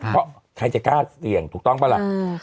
เพราะใครจะกล้าเสี่ยงถูกต้องปะล่ะ